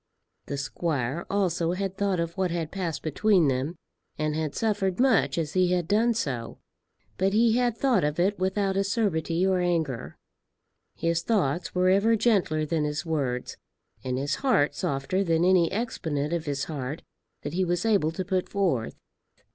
The squire also had thought of what had passed between them, and had suffered much as he had done so; but he had thought of it without acerbity or anger. His thoughts were ever gentler than his words, and his heart softer than any exponent of his heart that he was able to put forth.